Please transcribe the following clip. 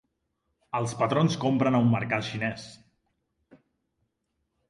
Els patrons compren a un mercat xinès.